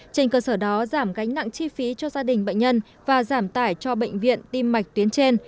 trên cơ sở đó giảm gánh nặng chi phí cho gia đình bệnh nhân và giảm tải cho bệnh viện tim mạch tuyến trên